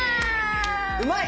うまい！